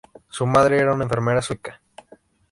Su madre era una enfermera sueca.